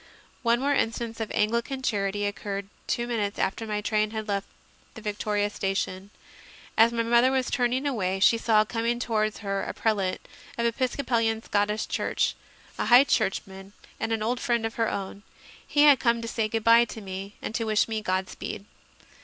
One more instance of Anglican charity occurred two minutes after my train had left Victoria station. As my mother was turning away, she saw coming towards her a prelate of the Episcopalian Scottish Church, a High Churchman and an old friend of her own. He had come to say good bye to me and to wish me God speed.